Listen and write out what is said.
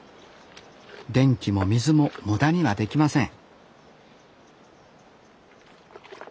電気も水も無駄にはできません